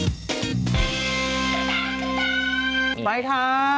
สวัสดีครับ